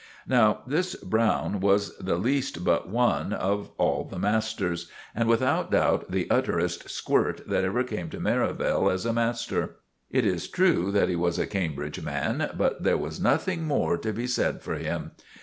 Now this Browne was the least but one of all the masters, and without doubt the utterest squirt that ever came to Merivale as a master. It is true that he was a Cambridge man, but there was nothing more to be said for him.